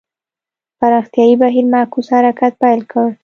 پراختیايي بهیر معکوس حرکت پیل کړ.